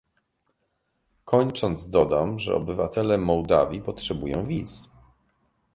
Kończąc dodam, że obywatele Mołdawii potrzebują wiz